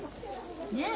ねえ。